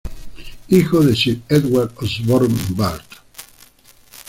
Hijo de Sir Edward Osborne, Bart.